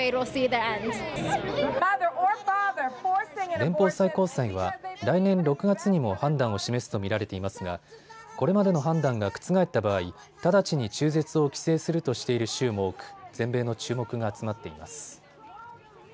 連邦最高裁は来年６月にも判断を示すと見られていますがこれまでの判断が覆った場合、直ちに中絶を規制するとしている州も多く全米の注目が集まっています。